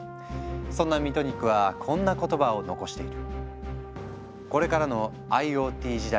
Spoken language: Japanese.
そんなミトニックはこんな言葉を残している。